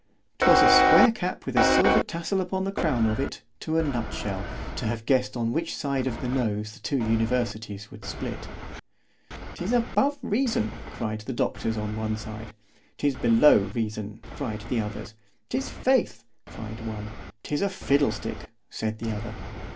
'Twas a square cap with a silver tassel upon the crown of it—to a nut shell—to have guessed on which side of the nose the two universities would split. 'Tis above reason, cried the doctors on one side. 'Tis below reason, cried the others. 'Tis faith, cried one. 'Tis a fiddle stick, said the other.